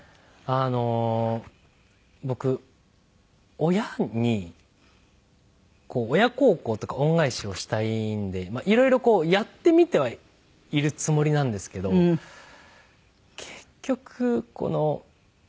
あの僕親に親孝行とか恩返しをしたいんでいろいろやってみてはいるつもりなんですけど結局親孝行の正解ってなんなんでしょう？